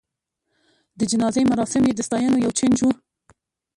د جنازې مراسم یې د ستاینو یو جنج و.